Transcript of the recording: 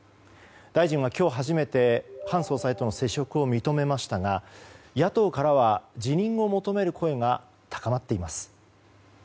大臣は、今日初めて韓総裁との接触を認めましたが野党からは辞任を求める声が高まっています。